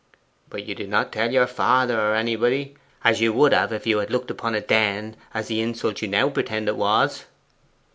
'But you did not tell your father or anybody, as you would have if you had looked upon it then as the insult you now pretend it was.